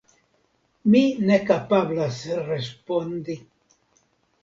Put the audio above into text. Mi ne kapablas respondi.